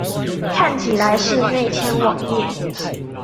看起來是內嵌網頁